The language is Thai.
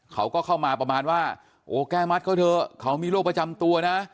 เขาก็เข้ามาประมาณว่าโอ้แก้มัดเขาเถอะเขามีโรคประจำตัวนะ